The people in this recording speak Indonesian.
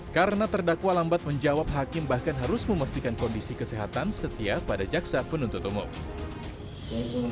karena terdakwa lambat menjawab hakim bahkan harus memastikan kondisi kesehatan setia pada jaksa penuntut umum